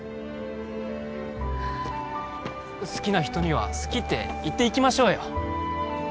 好きな人には好きって言っていきましょうよ